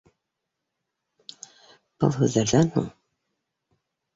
Был һүҙҙәрҙән һуң